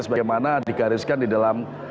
sebagaimana digariskan di dalam